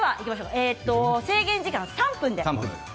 制限時間は３分です。